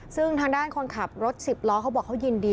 ซึ่งทางด้านคนขับรถ๑๐ล้อเขาบอกเขายินดี